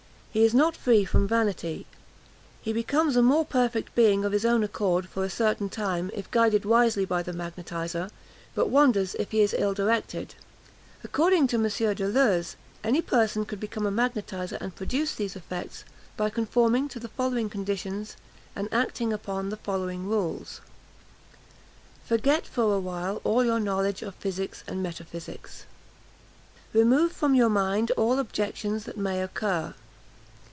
He is not free from vanity. He becomes a more perfect being of his own accord for a certain time, if guided wisely by the magnetiser, but wanders if he is ill directed." According to M. Deleuze, any person could become a magnetiser and produce these effects, by conforming to the following conditions, and acting upon the following rules: "Forget for a while all your knowledge of physics and metaphysics. "Remove from your mind all objections that may occur.